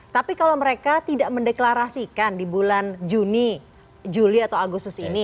tapi kalau mereka tidak mendeklarasikan di bulan juni juli atau agustus ini